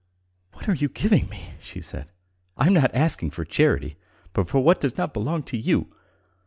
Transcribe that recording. "What are you giving me?" she said. "I am not asking for charity, but for what does not belong to you